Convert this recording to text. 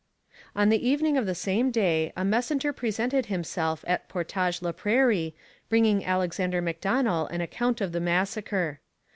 On the evening of the same day a messenger presented himself at Portage la Prairie bringing Alexander Macdonell an account of the massacre.